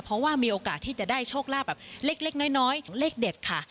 เพราะว่ามีโอกาสที่จะได้โชคลาภแบบเล็กน้อยเลขเด็ดค่ะ